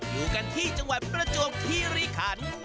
อยู่กันที่จังหวัดประจวบคีรีขัน